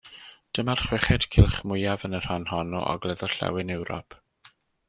Dyma'r chweched cylch mwyaf yn y rhan hon o Ogledd-orllewin Ewrop.